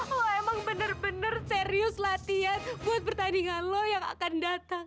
kamu memang serius berlatih untuk pertandinganmu yang akan datang